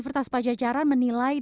kepala prodi bisnis digital umkm